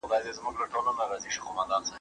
دا کيسې ولې له درد او غمه ډکې دي؟